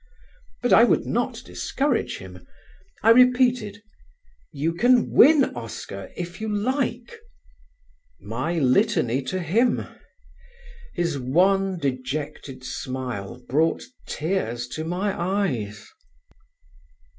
But I would not discourage him. I repeated: "You can win, Oscar, if you like: " my litany to him. His wan dejected smile brought tears to my eyes.